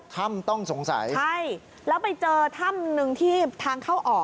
ถ้ำต้องสงสัยใช่แล้วไปเจอถ้ำหนึ่งที่ทางเข้าออก